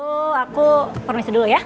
oh aku permisi dulu ya